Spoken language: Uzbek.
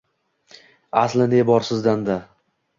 Аsli ne bor sizdan-da